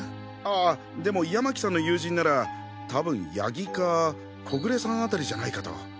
あでも山喜さんの友人ならたぶん谷木か小暮さん辺りじゃないかと。